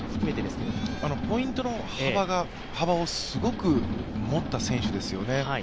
ポイントの幅をすごく持った選手ですよね。